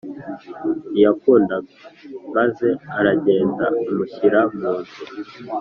Ntiyakunda maze aragenda amushyira mu nzu